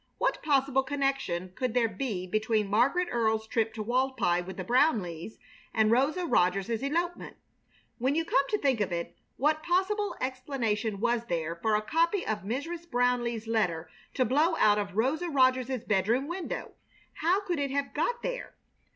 What possible connection could there be between Margaret Earle's trip to Walpi with the Brownleighs and Rosa Rogers's elopement? When you come to think of it, what possible explanation was there for a copy of Mrs. Brownleigh's letter to blow out of Rosa Rogers's bedroom window? How could it have got there?